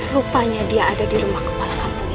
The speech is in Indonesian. rupanya dia ada di rumah kepala kampung